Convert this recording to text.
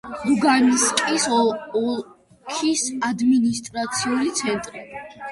ლუგანსკის ოლქის ადმინისტრაციული ცენტრი.